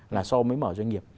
là sau mới mở doanh nghiệp